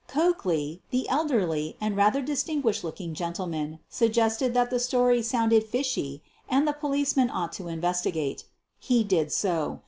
Coakley, the elderly and rather distinguished looking gentleman, suggested that the story sounded 4 * fishy,' ' and the policeman ought to investigate. He did so.